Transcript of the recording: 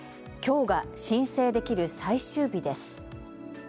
きょうが申請できる最終日です。